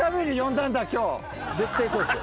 絶対そうっすよ。